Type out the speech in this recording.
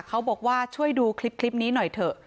เขาบอกว่าช่วยดูคลิปนี้หน่อยเถอะ